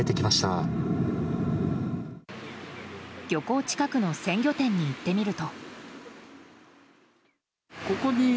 漁港近くの鮮魚点に行ってみると。